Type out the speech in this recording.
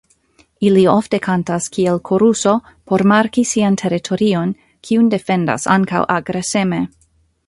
Ili ofte kantas kiel koruso por marki sian teritorion, kiun defendas ankaŭ agreseme.